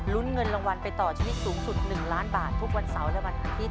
เงินรางวัลไปต่อชีวิตสูงสุด๑ล้านบาททุกวันเสาร์และวันอาทิตย